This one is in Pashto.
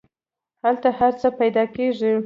هلته هر څه پیدا کیږي.